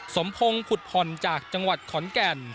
สมพงศ์ผุดผ่อนจากจังหวัดขอนแก่น